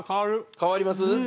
変わります？